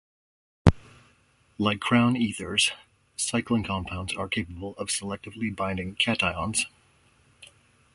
Like crown ethers, cyclen compounds are capable of selectively binding cations.